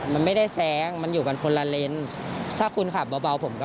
มันไม่ได้แซงมันอยู่กันคนละเลนถ้าคุณขับเบาผมก็